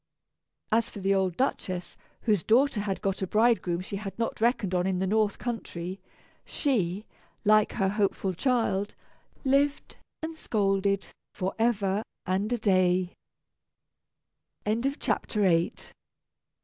As for the old Duchess (whose daughter had got a bridegroom she had not reckoned on in the northern country), she, like her hopeful child, lived and scolded forever and a day.